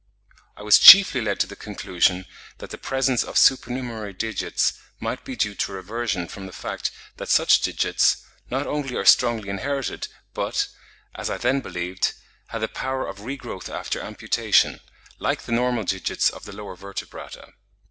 I was chiefly led to the conclusion that the presence of supernumerary digits might be due to reversion from the fact that such digits, not only are strongly inherited, but, as I then believed, had the power of regrowth after amputation, like the normal digits of the lower vertebrata.